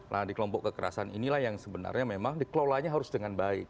nah di kelompok kekerasan inilah yang sebenarnya memang dikelolanya harus dengan baik